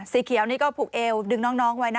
สีเขียวนี่ก็ผูกเอวดึงน้องไว้นะ